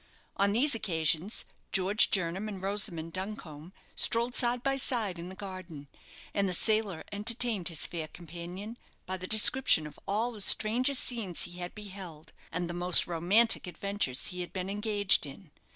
On these occasions George Jernam and Rosamond Duncombe strolled side by side in the garden; and the sailor entertained his fair companion by the description of all the strangest scenes he had beheld, and the most romantic adventures he had been engaged in.